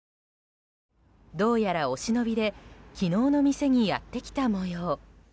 どうやら、お忍びで昨日の店にやってきた模様。